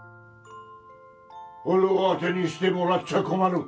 俺を当てにしてもらっちゃ困る。